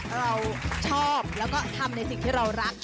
เราชอบแล้วก็ทำในสิ่งที่เรารัก